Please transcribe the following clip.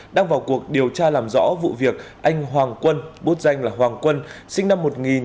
đang vào cuộc điều tra làm rõ vụ việc anh hoàng quân bốt danh là hoàng quân sinh năm một nghìn chín trăm tám mươi